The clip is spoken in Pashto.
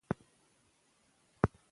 څنګه خلک مرسته ترلاسه کوي؟